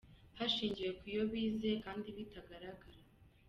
hashingiwe ku yo bize kandi bitagaragara.